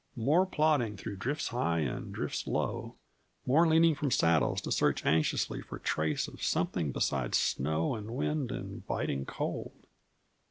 More plodding through drifts high and drifts low; more leaning from saddles to search anxiously for trace of something besides snow and wind and biting cold.